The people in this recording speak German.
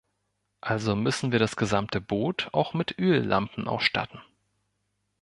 Also müssen wir das gesamte Boot auch mit Öllampen ausstatten.